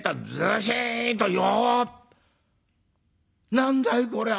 何だいこりゃあ。